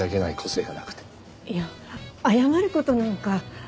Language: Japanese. いや謝る事なんか。